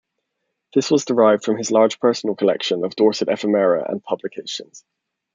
This was derived from his large personal collection of Dorset ephemera and publications.